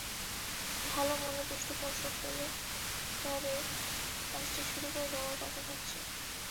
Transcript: ভালো মনের পৃষ্ঠপোষক পেলে, তবে কাজটি শুরু করে দেওয়ার কথা ভাবছি।